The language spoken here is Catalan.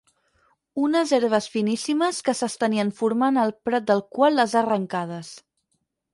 Unes herbes finíssimes que s'estenien formant el prat del qual les ha arrencades.